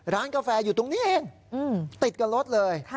กาแฟอยู่ตรงนี้เองติดกับรถเลย